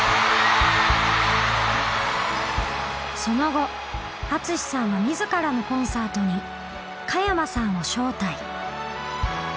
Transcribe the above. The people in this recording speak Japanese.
その後ＡＴＳＵＳＨＩさんはみずからのコンサートに加山さんを招待。